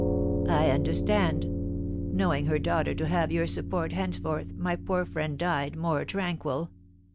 "I understand; knowing her daughter to have your support henceforth, my poor friend died more tranquil."